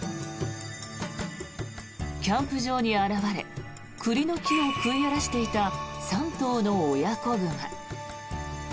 キャンプ場に現れ栗の木を食い荒らしていた３頭の親子熊。